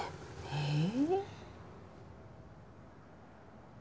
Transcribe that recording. ええ！